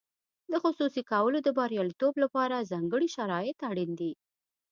د خصوصي کولو د بریالیتوب لپاره ځانګړي شرایط اړین دي.